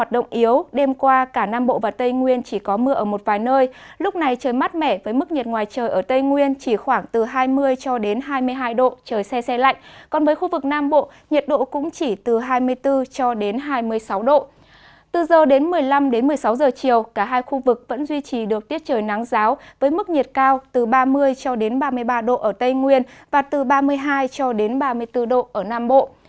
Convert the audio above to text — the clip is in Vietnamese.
do đến một mươi năm đến một mươi sáu giờ chiều cả hai khu vực vẫn duy trì được tiết trời nắng giáo với mức nhiệt cao từ ba mươi cho đến ba mươi ba độ ở tây nguyên và từ ba mươi hai cho đến ba mươi bốn độ ở nam bộ